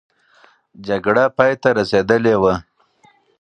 جګړه پای ته رسېدلې وه.